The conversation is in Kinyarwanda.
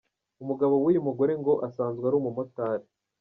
Umugabo w’uyu mugore ngo asanzwe ari umumotari.